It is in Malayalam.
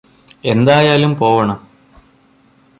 എന്തായാലും പോവണം